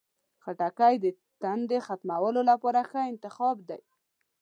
خټکی د تندې ختمولو لپاره ښه انتخاب دی.